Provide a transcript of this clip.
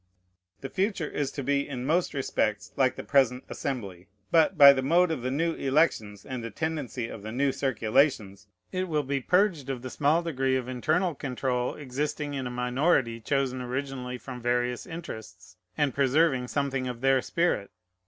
The future is to be in most respects like the present Assembly; but, by the mode of the new elections and the tendency of the new circulations, it will be purged of the small degree of internal control existing in a minority chosen originally from various interests, and preserving something of their spirit.